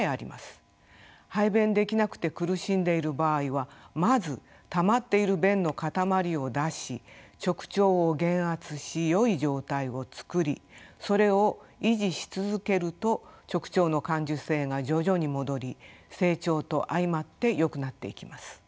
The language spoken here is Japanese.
排便できなくて苦しんでいる場合はまずたまっている便の塊を出し直腸を減圧しよい状態を作りそれを維持し続けると直腸の感受性が徐々に戻り成長と相まってよくなっていきます。